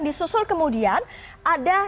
di susul kemudian ada